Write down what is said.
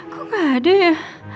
kok gak ada ya